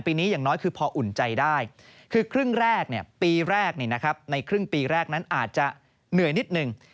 นี้อย่างน้อยคือพออุ่นใจได้คือครึ่งแรกปีแรกในครึ่งปีแรกนั้นอาจจะเหนื่อยนิดหนึ่ง